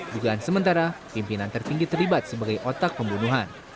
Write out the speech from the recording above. dan sementara pimpinan tertinggi terlibat sebagai otak pembunuhan